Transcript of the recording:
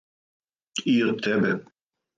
И од тебе.